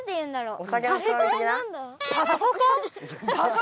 お！